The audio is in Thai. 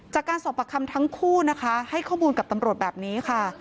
จากการสอบประคำทั้งคู่นะคะให้ข้อมูลกับตำรวจแบบนี้ค่ะ